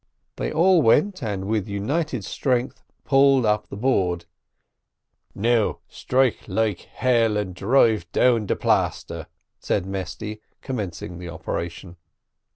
They all went, and with united strength pulled up the board. "Now strike like ! and drive down de plaster," said Mesty, commencing the operation.